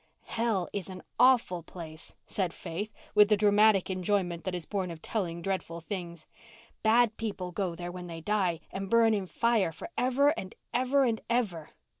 "Hell is an awful place," said Faith, with the dramatic enjoyment that is born of telling dreadful things. "Bad people go there when they die and burn in fire for ever and ever and ever."